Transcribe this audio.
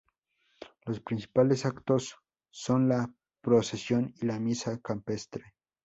Los principales actos son la procesión y la misa campestre.